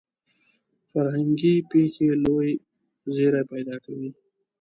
فرهنګي پېښې لوی زیری پیدا کوي.